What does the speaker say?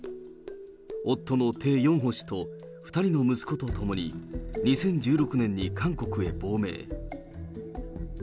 夫のテ・ヨンホ氏と２人の息子と共に、２０１６年に韓国へ亡命。